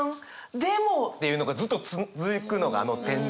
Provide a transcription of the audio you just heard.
でも」。っていうのがずっと続くのがあの「」。